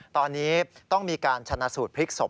ตอนนี้ต้องมีการชนะสูตรพลิกศพ